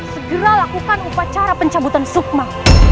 segera lakukan upacara pencabutan sukma